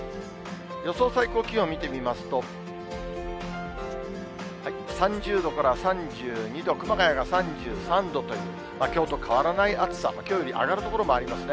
予想最高気温、見てみますと、３０度から３２度、熊谷が３３度という、きょうと変わらない暑さ、きょうより上がる所もありますね。